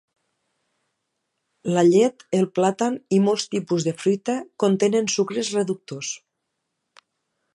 La llet, el plàtan i molts tipus de fruita contenen sucres reductors.